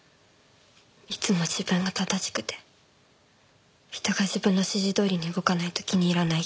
いつも自分が正しくて人が自分の指示どおりに動かないと気に入らない人。